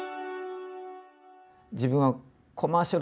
自分はコマーシャル